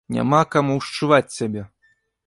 Няма каму ўшчуваць цябе!